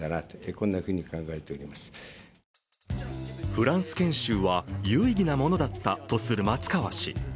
フランス研修は有意義なものだったとする松川氏。